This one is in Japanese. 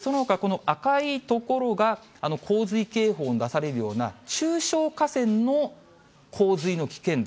そのほか、この赤い所が洪水警報の出されるような、中小河川の洪水の危険度。